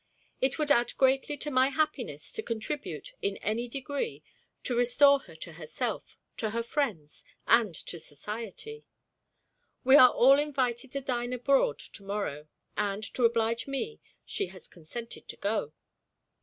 It would add greatly to my happiness to contribute, in any degree, to restore her to herself, to her friends, and to society. We are all invited to dine abroad to morrow; and, to oblige me, she has consented to go.